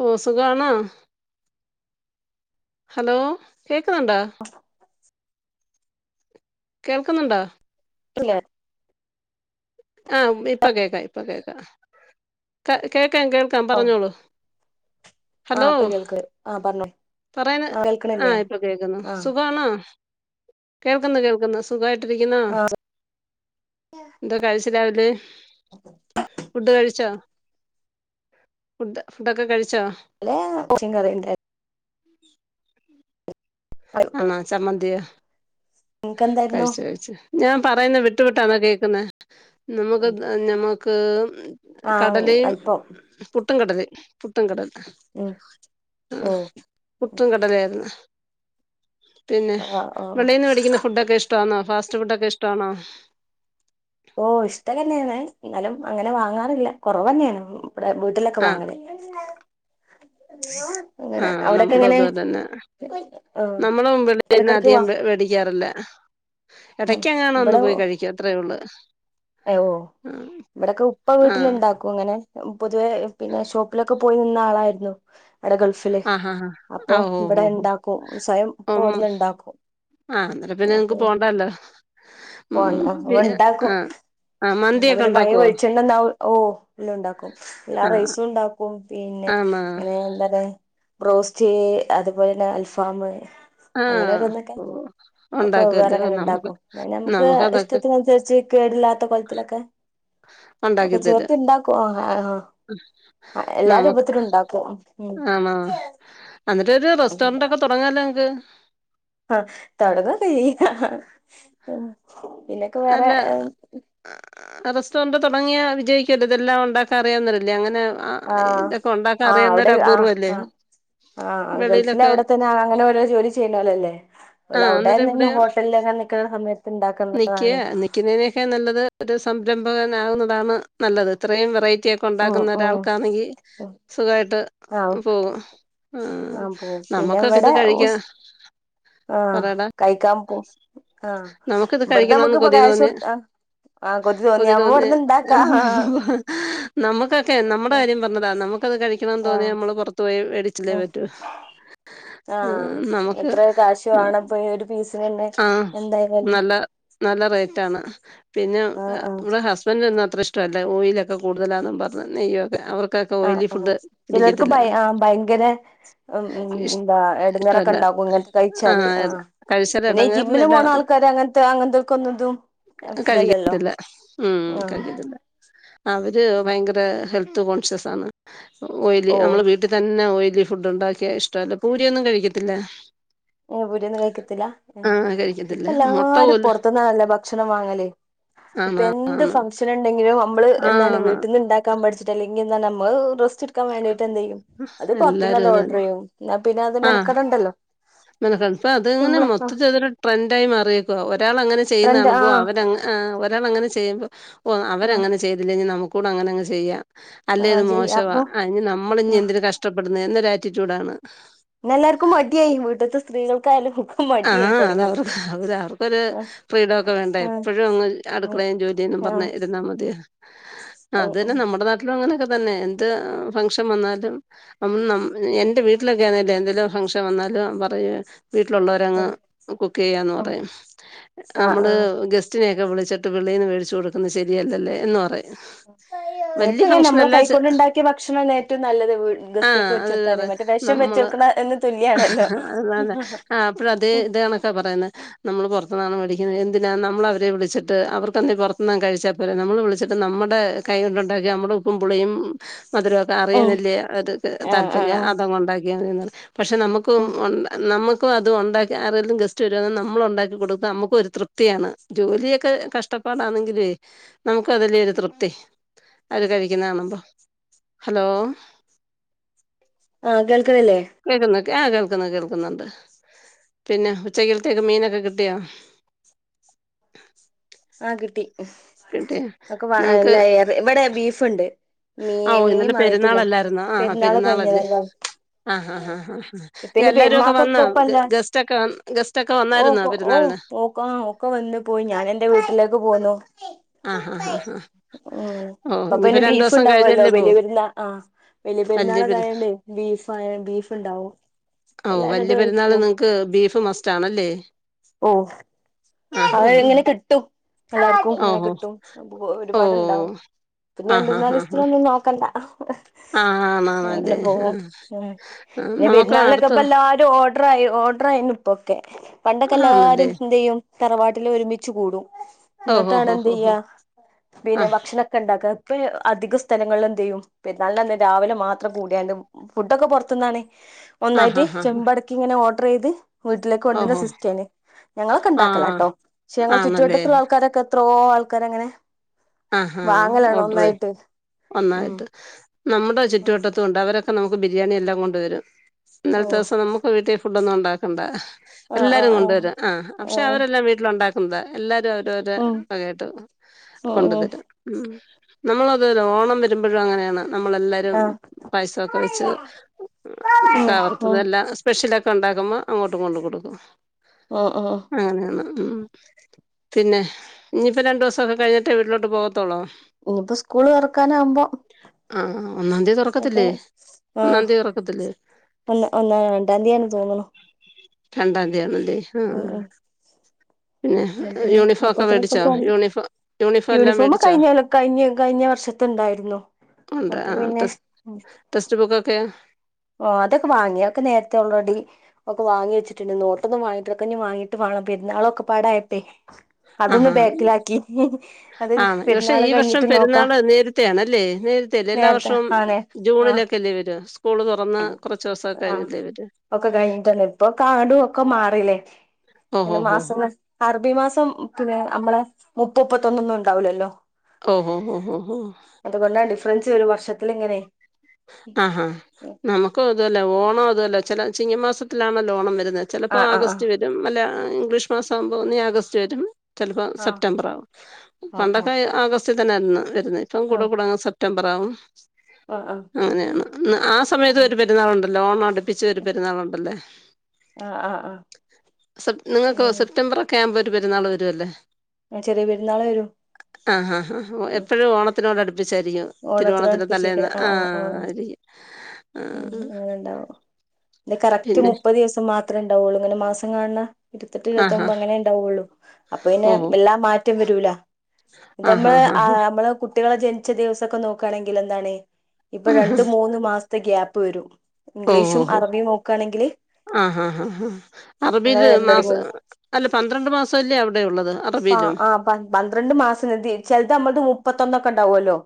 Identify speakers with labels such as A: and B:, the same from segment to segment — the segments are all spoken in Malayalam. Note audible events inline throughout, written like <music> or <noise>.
A: ഓ സുഖണോ ഹലോ കേക്കുന്നുണ്ടോ? കേൾക്കുന്നുണ്ടോ?
B: ല്ലേ
A: ആഹ് ഇപ്പ കേക്കാ ഇപ്പ കേക്കാ ക കേക്കാം കേൾക്കാം പറഞ്ഞോളൂ
B: ആഹ് പ്പൊ കേൾക്ക് ആ പറഞ്ഞോ
A: പറയണ് ആ ഇപ്പൊ കേക്കുന്നു
B: ആ
A: സുഖാണോ? കേൾക്ക്ന്ന് കേൾക്ക്ന്ന് സുഖായിട്ടിരിക്കുന്നോ?
B: ആ
A: കഴിച്ച് രാവിലെ ഫുഡ് കഴിച്ചോ? ഫുഡ് ഫുഡൊക്കെ കഴിച്ചോ?
B: ല്ലെ റച്ചി കറിണ്ടായിരുന്നു
A: ആണാ ചമ്മന്തിയോ
B: നിനക്ക് എന്തായിരുന്നു
A: കഴിച്ച് കഴിച്ച് ഞാൻ പറയുന്നെ വിട്ടു വിട്ടാണോ കേക്കുന്ന് നമുക്ക് നമ്മുക്ക്
B: ആ
A: കടലീം
B: അല്പ്പം
A: പുട്ടും കടലിം പുട്ടും കടൽ
B: ഉം
A: ആ
B: ഓ
A: പുട്ടും കടലേയ്ര്ന്നു പിന്നെ
B: ആ ഓ
A: വെളീന്ന് വേടിക്കുന്ന ഫുഡൊക്കെഷ്ടാന്നോ ഫാസ്റ്റ് ഫുഡൊക്കെഷ്ടാണോ?
B: ഓ ഇഷ്ടം തന്നേണ് ന്നാലും അങ്ങനെ വാങ്ങാറില്ല കൊറവെ ന്നേണ്. അടെ വീട്ടിലൊക്കെ
A: ആ
B: വാങ്ങല് അങ്ങനെ
A: ആഹ്
B: അവിടൊക്കെ
A: നമ്മളും
B: എങ്ങനെ
A: അതു അതന്നെയാ
B: ആ
A: നമ്മളും
B: ഇടക്കിടക്ക് വാ
A: വെളീന്നധികം വേടിക്കാറില്ല.
B: ഉം
A: എടക്കെങ്ങാനും ഒന്ന്
B: ഇവിടെ
A: പോയി കഴിക്കും അത്രേഉള്ളു
B: ഓ ഇവിടൊക്കെ ഉപ്പ
A: ആഹ്
B: വീട്ടിലുണ്ടാ അങ്ങനെ പൊതുവേ പിന്നെ ഷോപ്പിലൊക്കെ പോയി നിന്നാളായിരുന്നു അവടെ ഗൾഫ്
A: ആഹ് ആഹ്
B: അപ്പൊ
A: ആഹ് ഓ
B: ഇവിടെ ഇണ്ടാക്കും സ്വയം
A: ഓ ഉം
B: ഉപ്പവ്ട്ന്ന്ണ്ടാക്കും
A: ആഹ് അപ്പ പിന്നെങ്ങക്ക് പോണ്ടല്ലോ ഉം ഇ ആഹ് ആഹ്
B: ന്ന
A: മന്തിയൊക്കെ
B: പിന്നെ പയേ
A: ഉണ്ടാക്കുവോ
B: വെളിച്ചെണ്ണ ഓ ഇല്ല ഉണ്ടാക്കും എല്ലാ
A: ആഹ്
B: റൈസും ണ്ടാക്കും ഉം പിന്നെ
A: ആണോ
B: ങ്ങനെന്താ ണ്ബ്ബ്രോസ്റ്റ് അതുപോലെന്നെ അൽഫാമ്
A: ആഹ്
B: അങ്ങനോരോന്നൊക്കെ
A: ഓ
B: ഒക്കെ
A: ഉണ്ടാക്കുവല്ലേ നമുക്ക്
B: വെവ്വേറെങ്ങനെണ്ടാക്കും അ നമുക്ക് ഇഷ്ടത്തിനനുസരിച്ച് കേടില്ലാത്ത കൊലത്തിലൊക്കെ
A: <inaudible>
B: ഒക്കെ ചേർത്തിണ്ടാക്കും അ ആ എല്ലാ
A: നമക്ക്
B: രൂപത്തിലും ഉണ്ടാക്കും ഉം
A: ആണോ ന്ന്ട്ടൊരു റെസ്റ്റോറെന്റൊക്കെ തൊടങ്ങാല്ലോങ്ങക്ക്
B: ആഹ് തൊടങ്ങൊക്കെയ്യ പിന്നെ
A: അല്ല റെസ്ട്ടോറണ്ട് തുടങ്ങിയാ വിജയിക്കല്ലോ ഇതെല്ലാം ഉണ്ടാക്കാൻ അറിയാന്നോരല്ലേ അങ്ങനെ ആഹ് ഇതൊക്കെ ഉണ്ടാക്കാൻ
B: ആഹ് അവിടെ
A: അറിയുന്നൊരു
B: ആഹ്
A: അപൂർവല്ലേ
B: ആഹ് ആഹ് ഗൾഫിൽ
A: വെളിയിലൊക്കെ
B: അവിടെത്തന്നെ അങ്ങനെ ഓരോ ജോലി ചെയ്യണോലല്ലോ
A: ആ
B: അവിടെ
A: അന്നേരം
B: നിന്ന് ഹോട്ടലിലങ്ങനെ നിക്കണ സമയത്തുണ്ടാ
A: നിക്ക് നിക്കുന്നതിനെക്കാ നല്ലത് ഒരു സംരംഭകനാകുന്നതാണ് നല്ലത് ഇത്രയും വെറൈറ്റി
B: ഉം
A: ഉണ്ടാക്കുന്ന
B: ഉം
A: ഒരാൾക്കാണെങ്കി
B: ഉം
A: സുഖായിട്ട്
B: ആഹ്
A: പോകും. ആഹ്
B: പോവും പിന്നെ
A: നമ്മുക്കൊക്കെ ഇത്
B: ഇവിടെ
A: കഴിക്കാ
B: ഉസ് ആഹ്
A: പറയടാ
B: കഴിക്കാൻ പോ ആഹ്
A: നമുക്കിത്
B: ഇവിടുന്ന്
A: കഴിക്കണോന്ന്
B: നമ്മുക്ക് ഇപ്പോ
A: കൊതി
B: കാശ്
A: തോന്നി
B: കൊടുക്കാ ആഹ് കൊതി തോന്നിയപ്പോ ഇവിടുന്നിണ്ടാക്കാം
A: നമുക്ക് ക്കെ നമ്മുടെ കാര്യം പറഞ്ഞതാ നമുക്കത് കഴിക്കണോന്ന്
B: ആഹ്
A: തോന്നിയാ നമ്മള് പുറത്തു പോയി വേടിച്ചല്ലേ
B: ഉം
A: പറ്റൂ മ്
B: ആഹ്
A: നമുക്ക്
B: എത്ര കാശ്
A: മ്
B: വേണം ഇപ്പൊ ഒരു പീസിനിണ്ട്
A: ആഹ് നല്ല നല്ല റേറ്റാണ്. പിന്നെ
B: ആഹ് ആഹ്
A: ഇവിടെ ഹസ്ബൻഡിനൊന്നും അത്ര ഇഷ്ടമല്ല ഓയിലൊക്കെ കൂടുതലാണെന്നും പറഞ്ഞ് നെയ്യൊക്കെ അവർ
B: ആഹ് ആഹ് ചിലർക്ക് ഭയ ആഹ് ഭയങ്കര ഉം ഉം
A: ഇഷ്
B: എന്താ ഇടങ്ങേറൊക്കെ
A: ഇഷ്ടമല്ല
B: ഇണ്ടാക്കും ഇങ്ങനത്തെ കഴിച്ചാല് ആഹ്
A: കഴിച്ചാൽ
B: പിന്നെ ഈ ജിമ്മിന്
A: ഇടങ്ങേറില്ലല്ല
B: പോണാൾക്കാര് അങ്ങനത്തെ അങ്ങനത്തെക്കൊന്ന തും
A: കഴിക്കത്തില്ല ഉം കഴിക്കത്തി അവര് ഭയങ്കര ഹെൽത്ത്‌ കോൺശ്യസാണ് ഓയിൽ
B: ഓ
A: നമ്മള് വീ ട്ടിൽ തന്നെ ഓയിലി ഫുഡ് ഉണ്ടാക്കിയിഷ്ടമല്ല പൂരിയൊന്നും കഴിക്കത്തില്ല.
B: ഓ പൂരിയൊന്നും കഴിക്കത്തില്ല
A: ആഹ്
B: ഇപ്പ
A: കഴിക്കത്തില്ല മുട്ട
B: എല്ലാരും
A: പോലും
B: പുറത്തുന്നാണല്ലോ ഭക്ഷണം വാങ്ങല് ഇപ്പ
A: ആണ്
B: എന്ത്
A: ആണ്
B: ഫങ്ഷൻ നുണ്ടെങ്കിലും നമ്മള് എന്താണ്
A: ആണ്
B: വീട്ടിൽ നിന്ന് ഉണ്ടാക്കാൻ പഠിച്ചിട്ടല്ലേ പിന്നെന്താ നമ്മള് റസ്റ്റ് എടുക്കാൻ വേണ്ടിയിട്ട് എന്തെങ്കിലും അത്
A: എല്ലാരും
B: പുറത്തുന്നണ്ട്
A: അത്
B: ഓർഡർ
A: തന്നെ
B: ചെയ്യും എന്നാ പിന്നെ അത് മെനക്കടണ്ടല്ലോ
A: നിനക്കൽപ്പ അതിങ്ങനെ
B: സിമ്പിളാ ആ
A: മൊത്തത്തിലതൊരു ട്രെൻഡായി മാറിയേക്കുവ ഒരാൾ അങ്ങനെ ചെയ്യുന്ന
B: ട്രെൻഡ് ആ
A: കാണുമ്പോ അവരങ്ങ് ആഹ് ഒരാളങ്ങനെ ചെയ്യുമ്പോൾ ഓ
B: ആ
A: അവരങ്ങനെ ചെയ്തില്ലേ ഇനി നമുക്കൂടെ അങ്ങനെ അങ്ങ് ചെയ്യാം
B: ആ
A: അല്ലേത്
B: ചെയ്യാ
A: മോശവാ
B: അപ്പൊ
A: അഞ്ഞി നമ്മളിഞ്ഞി
B: ആ
A: എന്തിനാ കഷ്ടപ്പെടുന്നെ എന്നൊരു ആറ്റിറ്റ്യൂഡാണ്
B: പിന്നെല്ലാവർക്കും മടിയായി വീട്ടിത്തെ സ്ത്രീകൾക്കായാലും കു
A: ആഹ് അത് അവർക്ക് അവര് അവർക്കൊരു
B: ആ
A: ഫ്രീടൊക്കെ വേണ്ടെ എപ്പോഴും അങ്ങ് അടുക്കളയും ജോലിയും പറഞ്ഞിരുന്നാമതിയോ അത് തന്നെ നമ്മുടെ നാട്ടിലും അങ്ങനൊക്കെ തന്നെ എന്ത് ഫംങ്ഷൻ വന്നാലും അം നം എന്റെ വീട്ടിലൊക്കെയാന്നേൽ എന്തെലും ഫംഗ്ഷൻ വന്നാലും പറയും വീട്ടി ലുള്ളവരങ്ങ് കുക്ക് ചെയ്യാന്ന് പറയും നമ്മള് ഗ സ്റ്റിനെയൊക്കെ വിളിച്ചിട്ട് വെളിയിന്ന് മേടിച്ച് കൊടുക്കുന്നത് ശരിയല്ലല്ലോ എന്ന് പറയും. വല്യ
B: എനിക്കങ്ങനെ നമ്മൾ
A: ഫംഗ്ഷനല്ല ചെ
B: കൈകൊണ്ടുണ്ടാക്കിയ ഭക്ഷണം ഏറ്റവും നല്ലത്
A: ആഹ്
B: ഗസ്റ്റിനൊക്കെ
A: അത്
B: വെച്ചുകൊടുക്കാനും
A: പറയും
B: മറ്റ വിഷം
A: നമ്മള്
B: വെച്ചുകൊടുക്കണതിന് തുല്യാണല്ലോ
A: അപ്പോഴതേ ഇതെ കണക്കാ പറയുന്നത് നമ്മള് പുറത്തുന്നാളെ വിളിക്കുന്നത് എന്തിനാ നമ്മളവരെ വിളിച്ചിട്ട് അവർക്കെന്തേ പുറത്തുന്നാ കഴിച്ചാ പോ രെ നമ്മള് വിളിച്ചിട്ട് നമ്മുടെ കൈ കൊണ്ടുണ്ടാക്കി നമ്മുടെ ഉപ്പും പുളിയും മധുരൊ
B: ആഹ്
A: അറിയാനല്ലേ അത്
B: ആഹ്
A: താല്പര്യം
B: ആഹ്
A: അതങ്ങുണ്ടാക്കിയങ്ങ് പക്ഷെ നമുക്കും
B: ഉം
A: നമു ക്കും അതുണ്ടാക്കി ആരെങ്കിലും ഗസ്റ്റ് വരുമ്പോ നമ്മളുണ്ടാക്കി കൊടുക്ക നമുക്കുമൊരു തൃപ്തിയാണ് ജോലിയൊക്കെ കശ് ടപ്പാടാണെങ്കിലുമേ നമുക്ക് അതിലൊരു തൃപ്തി അവര് കഴിക്കുന്ന കാണുമ്പോ ഹലോ
B: ആഹ് കേൾക്കുന്നില്ലേ
A: കേൾക്കുന്നു ആഹ് കേൾക്കുന്നു കേൾക്കുന്നുണ്ട് പിന്നെ ഉച്ചക്കിലത്തിക്കെ മീനൊക്കെ കിട്ടിയോ?
B: ആഹ് കിട്ടി
A: കിട്ടിയ
B: അതൊക്കെ ഇവിടെ ബീഫുണ്ട്. മീ
A: ആഹ്
B: മീൻ
A: ഇന്നലെ
B: വാങ്ങിട്ടില്ല
A: പെരുന്നാളല്ലായിരുന്നാ ആഹ്
B: പെരുന്നാള്
A: പെരുന്നാളല്ലേ
B: കഴിഞ്ഞതല്ലേ
A: ആഹ് ആഹ് ആഹ്
B: പിന്നെ
A: എല്ലാരൊക്കെ വന്നാ
B: പെരുന്നാക്കൊക്കെ ഇപ്പല്ല
A: ഗസ്റ്റൊക്കെ ഗസ്റ്റൊക്കെ
B: ഓ
A: വന്നായിരുന്നോ
B: ഓ
A: പെരുന്നാളിന്
B: ഓ പ്പാ ഒക്കെ വന്ന് പോയി ഞാൻ എന്റെ വീട്ടിലേക്ക് പോന്നു
A: ആ ഹാ ഹാ ഹാ
B: ഉം
A: ഓ
B: പ്പ
A: ഇനിയിപ്പോ
B: പിന്നെ
A: രണ്ടു
B: ബീഫ്
A: ദിവസം
B: ഉണ്ടാവല്ലോ
A: കഴിഞ്ഞല്ലേ പോ
B: വലിയപെരുന്ന ആഹ് വലിയ
A: വല്യ
B: പെരുന്നാളൊക്കെ
A: പെരു
B: ആയോണ്ടേ ബീഫ ബീഫുണ്ടാവോ
A: ഓ വല്ല്യ പെരുന്നാള് നിങ്ങക്ക് ബീഫ് മസ്റ്റാണല്ലേ
B: ഓഹ് അത് അങ്ങനെ കിട്ടും എല്ലാർക്കും അങ്ങനെ
A: ഓഹോ
B: കിട്ടും
A: ഓ
B: ഒരുപാടുണ്ടാവും പിന്നി
A: ആ
B: രണ്ടു
A: ഹാ ഹാ ഹാ
B: മൂന്നാലീസ്ത്ത്നൊന്നും നോക്കണ്ട
A: ആ
B: അങ്ങനെ
A: ആണാണല്ലേ ആ
B: പോവും ആഹ്
A: ആ
B: ഇനി
A: നമുക്ക് അടുത്ത
B: പെരുന്നാളിനൊക്കെപ്പല്ലാ ഓർഡർ ഓർഡർയീന് ഇപ്പൊക്കെ പണ്ടൊക്കെ
A: ആണല്ലേ
B: എല്ലാരും എന്തയ്യും തറവാട്ടില് ഒരുമിച്ച് കൂടും
A: ഓഹോ
B: എന്നിട്ടാണ്
A: ഹോ ഹോ ഹോ
B: എന്തയ്യാ
A: ആ
B: പിന്നെ ഭക്ഷണ ണ്ടാക്ക ഇപ്പ അധികം സ്ഥലങ്ങളിൽ എന്തയ്യും പെരാളിന്റന്ന് രാവിലെ മാത്രം കൂടിയറെ ഫുഡൊക്കെ പൊറത്ത്ന്നാണെ
A: ആ ഹാ
B: ഒന്നായിട്ട്
A: ഹാ ഹാ
B: ചെമ്പടക്കി ഇങ്ങനെ ഓർഡർ ചെയ്ത് വീട്ടിലേക്ക് കൊണ്ടരുന്ന
A: ഓഹോ
B: സിസ് ഞങ്ങളൊക്കെ
A: ആ
B: ഉണ്ടാക്കല കേട്ടോ പക്ഷെ ഞങ്ങളൊക്കെ ണ്ടാക്കലാട്ടോ ക്ഷെ ഞങ്ങളെ
A: ആണല്ലേ
B: ചുറ്റുവട്ടത്ത്ള്ള ആൾക്കാരൊക്കെ എത്രോ ആൾക്കാര് അങ്ങനെ
A: ആഹ് ഹാ ഓടറ്
B: ഉം
A: ഒന്നായിട്ട് നമ്മുടെ
B: ഉം
A: ചുറ്റുവട്ടത്തുണ്ട് അവരൊക്കെ നമുക്ക് ബിരിയാണി എല്ലാം കൊണ്ട് വരും
B: ഓ
A: ഇന്നലത്തെ ദിവസം നമുക്ക് ഇപ്പം വീട്ടിൽ ഫുഡ് ഒന്നും ഉണ്ടാക്കണ്ട
B: ആ ആ
A: എല്ലാരും കൊണ്ടുവരും ആ പക്ഷെ അവരെല്ലാം വീട്ടിലണ്ടാക്ക ന്താ എല്ലാരും അവരവരുടെ
B: ഉം
A: വകായിട്ട്
B: ഉം
A: കൊണ്ടു
B: ഉം
A: തരും നമ്മളത് ഓണം വരുമ്പോഴും അങ്ങനെയാണ് നമ്മളെല്ലാരും
B: ആ
A: പായസൊക്കെ വെച്ച്
B: ഉം
A: കവർത്തതെല്ലാം സ്പെഷ്യലൊക്കെ ഉണ്ടാക്കുമ്പോ അങ്ങോട്ടും കൊണ്ട് കൊടുക്കും
B: ഓഹ് ഓഹ്
A: അങ്ങനെയാണ് ഉം പിന്നെ ഇനിയിപ്പോ രണ്ടു ദിവസൊക്കെ കഴിഞ്ഞിട്ട് ട്ടേ വീട്ടിലോട്ട് പോകത്തൊളോ
B: ഇനിയിപ്പോ സ്കൂള് തുറക്കാനാകുമ്പോം
A: ആഹ് ഒന്നാന്തി തുറക്കത്തില്ലേ ഒന്നാം തീതുറക്കത്തില്ലേ
B: അല്ല ല്ല രണ്ടാംതീ യാണ് തോന്നുന്നു
A: രണ്ടാന്തിയാണല്ലേ ആഹ്
B: അ പിന്നെ അപ്പോത്തിനൊക്കെ പോവും
A: യൂണിഫോം യൂണിഫോം എല്ലാം
B: യൂണിഫോമ്
A: മേടിച്ചോ
B: കഴിഞ്ഞ കഴിഞ്ഞ കഴിഞ്ഞ വർഷം ണ്ടായിരുന്നു
A: ഉണ്ട് ആ ടെസ് ടെസ്റ്റ് ബുക്കൊക്കെ
B: ഓഗുഡ് അതൊക്കെ വാങ്ങി അഒക്കെ നേരത്തെ ഓൾറെഡി ഒക്കെ വാങ്ങി വെച്ചിട്ടുണ്ട് നോട്ടൊന്നും വാങ്ങിട്ടില ഇനി വാങ്ങിട്ട് വാണം പെരുന്നാളക്കൊടായപ്പോേ
A: ആ
B: അതൊന്ന്
A: ഹാ
B: ബേക്കിലാക്കി അത് പെരുന്നാള് കഴിഞ്ഞിട്ട് നോക്കാം
A: ണല്ലേ നേരതല്ലേ എല്ലാ
B: നേരത്തെ
A: വർഷവും
B: ആണേ
A: ജൂണിലൊക്കെ അല്ലേ വരകൂ
B: ആഹ് ഒക്കെ കഴിഞ്ഞട്ടന്നെ ഇപ്പൊ കാടും ഒക്കെ മാറീല്ലേ
A: ഓഹ് ഓഹ്
B: മാസം അറബി മാസം പിന്നെ നമ്മളെ മുപ്പുംപ്പത്തൊന്നൊന്നും ഉണ്ടാവൂലല്ലോ
A: ഓഹ് ഓഹ് ഓഹ് ഇഹ്
B: അതുകൊണ്ടാണ് ഡിഫറൻസ് വരും വർഷത്തില് ഇങ്ങനെ
A: ആഹാ നമുക്കും അതുമല്ല ഓണം അതുമല്ല ചിങ ചിങ്ങമാസത്തിലാണല്ലോ ഓണം വരുന്നത്
B: ആ
A: ചലപ്പോൾ
B: ആ ആ
A: ആഗസ്റ്റ് വരും അല്ല ഇംഗ്ലീഷ് മാസാകുമ്പോ ഒന്നി ആഗസ്റ്റ് വരും ചെലപ്പോൾ
B: ആഹ്
A: സെപ്റ്റംബർ ആകും
B: ആഹ്
A: പണ്ടൊക്കെ ആഗസ്റ്റിൽ തന്നൊയിരുന്നു വരുന്നത് ഇപ്പം
B: ആഹ്
A: കൂടെകൂടങ്ങ് സെപ് സെപ്റ്റമ്പറാവും
B: ആഹ് ആഹ് ആഹ്
A: അങ്ങനെയാണ് ആ സമയത്ത് ഒരു
B: ആഹ്
A: പെരുന്നാളുണ്ടല്ലോ ഓണം അടുപ്പിച്ച് ഒരു പെരുന്നാളുണ്ടല്ലേ
B: ആഹ് ആഹ് ആഹ്
A: സെപ് നിങ്ങൾക്ക്
B: ഉം
A: സെപ്റ്റംബർ ഒക്കെ ആകുമ്പൊ ഒരു പെരുന്നാൾ വരും അല്ലേ
B: ചെറിയ പരുന്നാള് വരും
A: ആഹ് ആ ഹാ എപ്പോഴും ഓണത്തിനോട് അടുപ്പിച്ചായിരിക്കും
B: ഓണത്തിനോട്
A: തിരുവോണത്തിൻ്റെ
B: അടുപ്പിച്ചേക്ക്
A: തലേന്ന് ആ
B: ആഹ് ആഹ്
A: ആയിരിക്കും
B: ഉം
A: ആ
B: അങ്ങനെണ്ടാവും ഇ കറക്റ്റ്
A: പിന്നെ
B: മുപ്പത് ദിവസം മാത്രമേ ഉണ്ടാവുള്ളൂ ഇങ്ങനെ മാംസം കാണ് ഇരുപത്തെട്ട്
A: ആ ഹാ
B: ഇരുപത്തൊമ്പത് അങ്ങനെ ഉണ്ടാവൊള്ളൂ അപ്പൊ പിന്നെ
A: ഓ
B: വെല്ലാതെ മാറ്റം വരൂല ഇത്
A: ആ ഹാ
B: നമ്മള്
A: ഹാ
B: ആ
A: ഹാ
B: നമ്മള് കുട്ട്യാളെ ജനിച്ച ദിവസൊക്കെ നോക്കാണെങ്കിൽ എന്താണ് ഇപ്പൊ
A: ആ
B: രണ്ടു മൂന്ന് മാസത്തെ ഗ്യാപ്പ് വരും ഇഗ്ലീഷും അറബിം നോക്കാണെ
A: ആഹ് ഹാ ഹാ ഹാ
B: അങ്ങനെ
A: അറബീല്
B: വരല് തുടങ്ങി
A: മാസം അല്ല പന്ത്രണ്ട് മാസല്ലേ അവ്ടെ ഉള്ളത്
B: ആ
A: അറബിയിലും
B: ആ പന്ത്രണ്ട് മാസം ഇത് ചെൽത് നമ്മൾത് മുപ്പത്തൊന്നൊക്കെണ്ടാവല്ലോ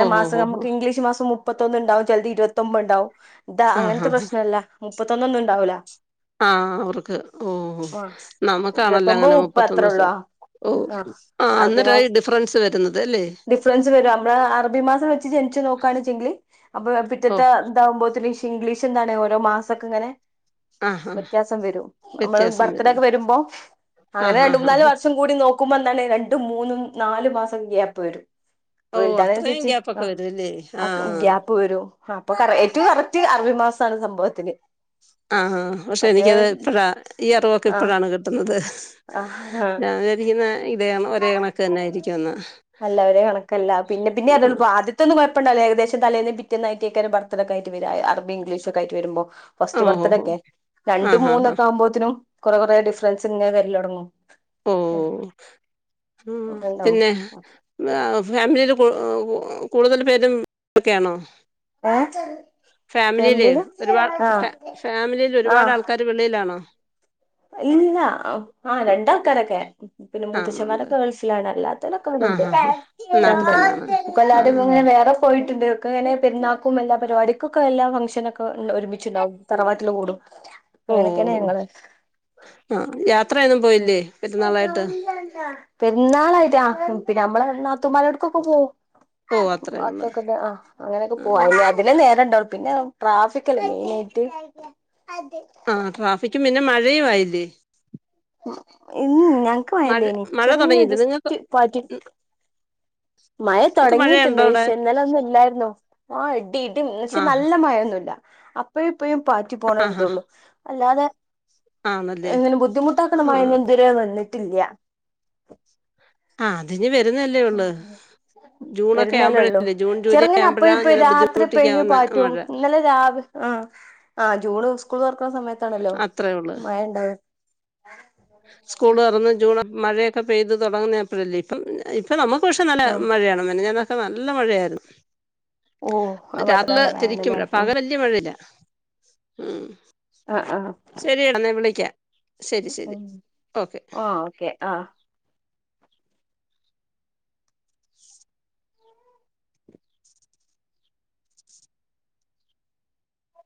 A: ഓ ഹോ
B: മാസം
A: ഹോ ഹോ
B: നമ്മക്ക് ഇംഗ്ലീഷ് മാസം മു മുപ്പത്തൊന്ന്ണ്ടാവും ചെൽത് ഇരുപത്തൊമ്പ്ണ്ടാവും ഇത്
A: ആ ഹാ
B: അങ്ങൻത്തെ പ്രശ്നല്ല മുപ്പത്തൊന്നൊന്നുണ്ടാവൂല
A: ആഹ് അവർക്ക് ഓഹ് നമക്കാണല്ലോ
B: ഇരുപത്തൊമ്പത്
A: അങ്ങനെ
B: മുപ്പത് അത്രേ ഉള്ളൂ
A: മുപ്പത്തൊന്നൂസം
B: ആ
A: ഓഹ്
B: ആ
A: ആഹ്
B: അറബി
A: അന്നേരാ ഈ
B: മാസം
A: ഡിഫറൻസ് വര്ന്നത് അല്ലേ
B: ഡിഫറൻസ് വരും നമ്മളെ അറബി മാസം വെച്ച് ജനിച്ച് നോക്കാണെച്ചെങ്കിൽ അപ്പ
A: ഓ
B: പിറ്റത്തെ ഇതാകുമ്പോത്തിന് ഇഷ് ഇംഗ്ലീഷെന്താണ് ഓരോ മാസൊക്കെങ്ങനെ
A: ആ ഹാ
B: വ്യത്യാസം വരും നമ്മള്
A: വ്യത്യാസം വരും
B: ബർത്ത്ഡെക്കെ വരുമ്പോ
A: ആ
B: അങ്ങനെ
A: ഹാ
B: രണ്ട്
A: ഹാ
B: മൂന്നാല്
A: ഹാ
B: വർഷം കൂടി നോക്കുമ്പെന്താണ് രണ്ടും മൂന്നും നാല് മാസം ഗ്യാപ്പ് വരും അപ്പൊ
A: ഓ അത്രയും
B: വൽതാവ്ണൻസര്ച്ച്
A: ഗ്യാപ്പൊക്കെ
B: അ
A: വരും അല്ലേ
B: ആ ഗ്യാപ്പ് വരും ഹാ അപ്പൊ കറ ഏറ്റവും കറക്റ്റ് അറബി മാസാണ് സംഭവത്തില്
A: ആഹ പക്ഷെ
B: മറ്റേ
A: എനിക്കത് ഇപ്പഴാ ഈ അറിവൊക്കെ
B: ആഹ്
A: ഇപ്പഴാണ് കിട്ട്ന്നത്
B: ആഹ്
A: ഞാൻ വിചാരിക്കുന്നെ ഇതേ കണ ഒരേ കണക്കെന്നെ ആയിരിക്കുംന്ന്
B: കല്ല പിന്നെ പിന്നെ അറിയൊള്ളു പ്പാദ്യ ത്തൊന്നും കുഴപ്പണ്ടാവൂല ഏകദേശം തലേന്നും പിറ്റേന്നും ആയിട്ടെയ്ക്കാരം ബർത്ത്ഡെക്കായിട്ട് വര അറബിം ഇംഗ്ലീഷും ഒക്കായിട്ട് വരുമ്പൊ
A: ആ
B: ഫസ്റ്റ്
A: ഓ ഹോ ഹോ
B: ബർത്ത്ഡെക്കെ
A: ആ
B: രണ്ടും
A: ഹാ ഹാ
B: മൂന്നൊക്കെ ആവുമ്പോത്തിനും കൊറെ കൊറെ ഡിഫറൻസ് ഇങ്ങനെ വരലൊട്ങ്ങും
A: ഓഹ്
B: ഉണ്ടാവും
A: പിന്നെ ഏഹ് ഫാമിലിയില് കൂ കൂടുതല് പേരും ഓക്കെയാണോ
B: ഏഹ്
A: ഫാമിലിയില് ഒര്പാട്
B: ആഹ്
A: ഫ ഫാമിലിയില് ഒരുപാട്
B: ആഹ്
A: ആൾക്കാർ വെളിയിലാണോ
B: ഇല്ല അഹ് ആഹ് രണ്ടാൾക്കാരൊക്കെ പിന്നെ
A: ആ ഉണ്ട്
B: മൂത്തഛമാരൊക്കെ ഗൾഫിലാണ് അല്ലാ ത്തോരൊക്ക
A: ആ
B: ഇവിടണ്ട്
A: ഹാ ഹാ നാട്ടിൽ തന്നെയാണ്
B: ഇവടണ്ട്
A: ആ
B: ഇപ്പെല്ലാരും ഇങ്ങനെ വേറെ പോയിട്ട്ണ്ട് ഒക്കങ്ങനെ പെര്ന്നാക്കും എല്ലാ പരിപാടിക്കൊക്കെ എല്ലാ ഫങ്ഷനൊക്കെ ഒരുമിച്ച്ണ്ടാകും തറവാട്ടിൽ കൂടും
A: <inaudible>
B: അങ്ങനൊക്കേണ് ഞങ്ങള്
A: ആഹ് യാത്രയൊന്നും പോയില്ലേ പെര്ന്നാളായിട്ട്
B: പെര്ന്നാളായിട്ട് അഹ് പിന്ന നമ്മളെ നാത്തൂമാരോട്ക്കൊക്കെ പോകും
A: ഓ അത്രേ ഉള്ളൂ
B: അതൊക്കെ ത ആഹ് അങ്ങനൊക്കെ
A: ആ
B: പോവും അതിനെ അതിനേ നേരണ്ടാവും പിന്നെ ട്രാഫിക്കല്ലെ മെയ്നായിട്ട്
A: ആഹ് ട്രാഫിക്കും പിന്നെ മഴയും ആയില്ലേ
B: ഉം ഉം ഞങ്ങക്ക് മഴ ഇല്ലേനി
A: മഴ
B: ചെറ്ങ്ങനെ
A: തുടങ്ങിയില്ലേ നിങ്ങൾക്ക്
B: ജസ്റ്റ് പാറ്റി മഴ
A: നിങ്ങക്ക്
B: തുടങ്ങീട്ട്ണ്ട്
A: മഴയുണ്ടോ അവിടെ
B: പക്ഷേ ഇന്നലൊന്നുല്ലായിര്ന്നു ആഹ് ഇടി ഇടി ന്ന് വെച്ച്
A: ആ
B: നല്ല മഴൊന്നൂല്ല അപ്പയും ഇപ്പയും പാറ്റി
A: ആ ഹാ
B: പോണൊര്തൊള്ളു അല്ലാതെ
A: ആണല്ലേ
B: ഇങ്ങനെ ബുദ്ധിമുട്ടാക്ക്ണ മഴയൊന്നും ഇത് വരേ വന്ന്ട്ടില്ല്യ
A: ആ അതിനി വരുന്നല്ലേ ഉള്ളൂ ജൂണൊക്കെ
B: വര്ന്നല്ലെള്ളൂ
A: ആവുമ്പോഴല്ലേ ജൂൺ ജൂലൈ
B: ചെറ്ങ്ങനെ അപ്പയും
A: ആവുമ്പോഴാ
B: ഇപ്പയും
A: ഇങ്ങനെ
B: രാത്രി പ്പേങ്കിലും
A: ബുദ്ധിമുട്ടിക്കാവുന്ന
B: പാറ്റും
A: മഴ
B: ഇന്നലെ രാവ് ആഹ് ആഹ് ജൂണ് സ്കൂള് തൊറക്ക്ണ സമയത്താണല്ലോ
A: അത്രേ ഉള്ളൂ
B: മഴണ്ടാവ
A: സ്കൂള് തൊറന്ന് ജൂണ് മഴയൊക്കെ പെയ്ത് തുടങ്ങ്ന്നെ അപ്പഴല്ലെ ഇപ്പം ഇപ്പൊ നമുക്ക് പക്ഷെ നല്ല
B: ആഹ്
A: മഴയാണ് മിനിഞ്ഞാന്നൊക്കെ നല്ല മഴയാര്ന്ന്
B: ഓഹ് ആ
A: മറ്റെ
B: ഭാഗത്ത്ക്ക്
A: രാത്രികളില്
B: നല്ല
A: ശരിക്കും
B: മഴയാണല്ലേ ഉം
A: പകല് വല്ല്യ മഴല്ല്യ ഉം
B: ആഹ് ആഹ്
A: ശരിയെന്ന വിളിക്ക ശരി ശരി ഓക്കെ
B: ആഹ് ഓക്കെ ആഹ്